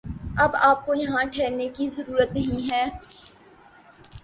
اب آپ کو یہاں ٹھہرنے کی ضرورت نہیں ہے